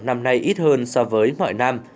năm nay ít hơn so với mọi năm